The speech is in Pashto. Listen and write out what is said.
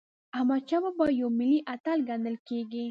احمدشاه بابا یو ملي اتل ګڼل کېږي.